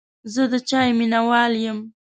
زه د چای مینهوال یم.